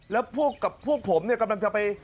แล้วพวกกับพวกผมเนี่ยกำลังจะไป